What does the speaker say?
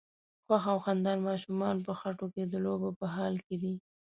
خوښ او خندان ماشومان په خټو کې د لوبو په حال کې دي.